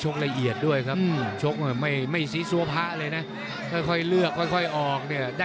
ชกละเอียดด้วยครับชกไม่ซีซัวพะเลยนะ